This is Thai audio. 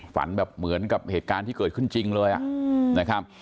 ฝันแบบเหมือนกับเหตุการณ์ที่เกิดขึ้นจริงเลยนะครับ